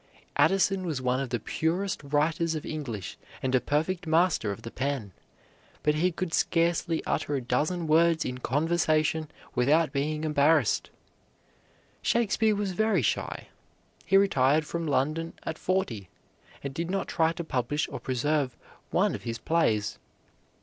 Addison was one of the purest writers of English and a perfect master of the pen, but he could scarcely utter a dozen words in conversation without being embarrassed. Shakespeare was very shy. He retired from London at forty, and did not try to publish or preserve one of his plays.